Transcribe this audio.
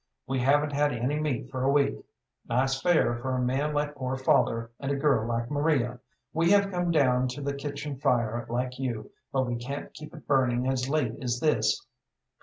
We haven't had any meat for a week. Nice fare for a man like poor father and a girl like Maria! We have come down to the kitchen fire like you, but we can't keep it burning as late as this.